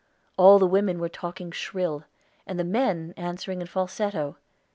All the women were talking shrill, and the men answering in falsetto.